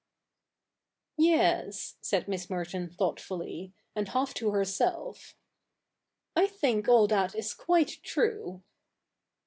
'Yes,' said Miss Merton thoughtfully, and half to herself, ' I think all that is quite true.'